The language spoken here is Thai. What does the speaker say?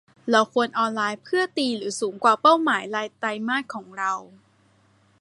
เราควรออนไลน์เพื่อตีหรือสูงกว่าเป้าหมายรายไตรมาสของเรา